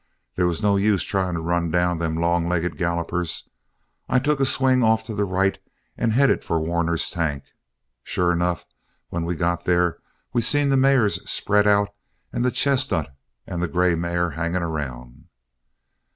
They was no use trying to run down them long legged gallopers. I took a swing off to the right and headed for Warner's Tank. Sure enough, when we got there we seen the mares spread out and the chestnut and the grey mare hanging around."